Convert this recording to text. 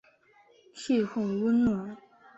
气候温暖。